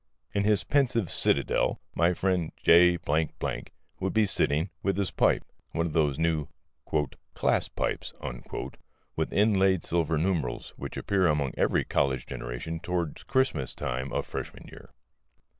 In his pensive citadel, my friend J would be sitting, with his pipe (one of those new "class pipes" with inlaid silver numerals, which appear among every college generation toward Christmas time of freshman year).